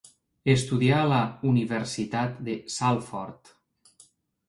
Estudià a la Universitat de Salford.